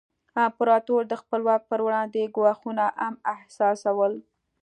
امپراتور د خپل واک پر وړاندې ګواښونه هم احساسول.